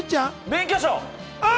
免許証。